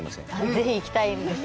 ぜひ行きたいです。